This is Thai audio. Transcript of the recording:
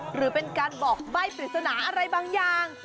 หรือเป็นการบอกใบ้ปริศนาอะไรบางอย่าง